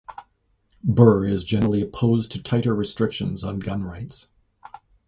Burr is generally opposed to tighter restrictions on gun rights.